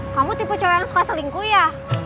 kamu tipe cowok yang suka selingkuh ya